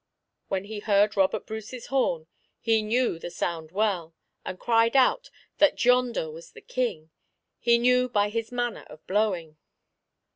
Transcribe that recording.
When he heard Robert Bruce's horn, he knew the sound well, and cried out, that yonder was the King, he knew by his manner of blowing.